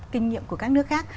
kinh nghiệm của các nước khác